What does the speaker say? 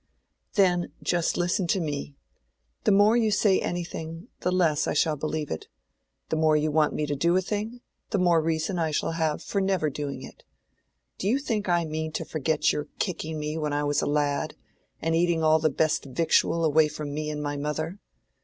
"Then just listen to me. The more you say anything, the less I shall believe it. The more you want me to do a thing, the more reason I shall have for never doing it. Do you think I mean to forget your kicking me when I was a lad, and eating all the best victual away from me and my mother?